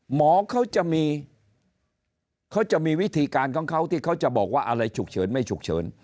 หมอเขาจะมีเขาจะมีวิธีการของเขาที่เขาจะบอกว่าอะไรฉุกเฉินไม่ฉุกเฉิน